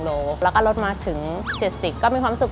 โลกแล้วก็รถมาถึง๗๐ก็มีความสุข